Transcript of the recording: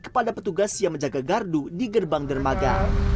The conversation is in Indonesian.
kepada petugas yang menjaga gardu di gerbang dermaga